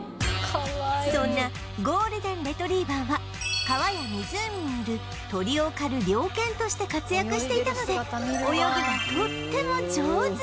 そんなゴールデン・レトリーバーは川や湖にいる鳥を狩る猟犬として活躍していたので泳ぎがとっても上手